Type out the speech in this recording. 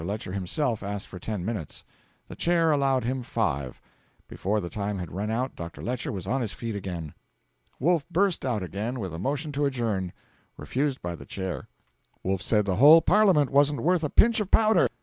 Lecher himself asked for ten minutes. The Chair allowed him five. Before the time had run out Dr. Lecher was on his feet again. Wolf burst out again with a motion to adjourn. Refused by the Chair. Wolf said the whole Parliament wasn't worth a pinch of powder.